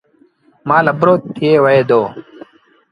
مآل اَڀرو ٿئي وهي دو۔